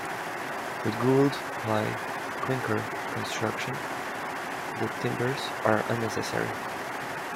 With glued ply clinker construction, the timbers are unnecessary.